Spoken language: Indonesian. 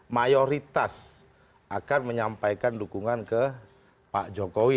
mayoritas akan menyampaikan dukungan ke pak jokowi